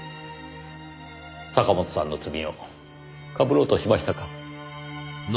坂本さんの罪をかぶろうとしましたか。